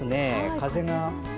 風が。